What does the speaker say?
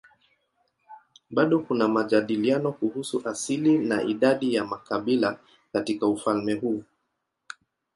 Bado kuna majadiliano kuhusu asili na idadi ya makabila katika ufalme huu.